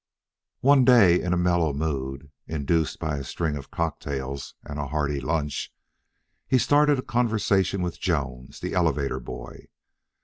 One day, in a mellow mood (induced by a string of cocktails and a hearty lunch), he started a conversation with Jones, the elevator boy.